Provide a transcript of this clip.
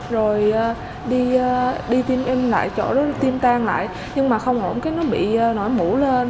rồi đi tiêm lại chỗ tiêm tan lại nhưng mà không ổn cái nó bị nổi mũ lên